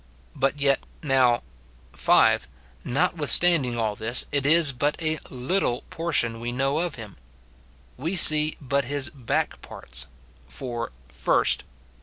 But yet now, [5.] Notwithstanding all this, it is but a little portion we know of him ; we see but his back parts. For, — Ist.